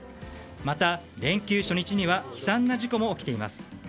また、連休初日には悲惨な事故も起きています。